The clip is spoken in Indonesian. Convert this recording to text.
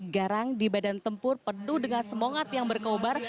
garang di badan tempur pedu dengan semangat yang berkobar